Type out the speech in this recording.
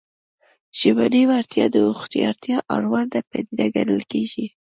ژبنۍ وړتیا د هوښیارتیا اړونده پدیده ګڼل کېږي